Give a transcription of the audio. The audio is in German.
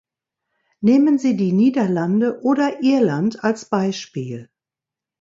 Nehmen Sie die Niederlande oder Irland als Beispiel.